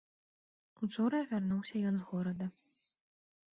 Учора вярнуўся ён з горада.